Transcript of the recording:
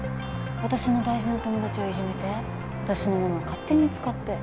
私の大事な友達をいじめて私のものを勝手に使って。